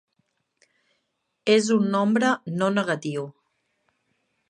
És un nombre no negatiu.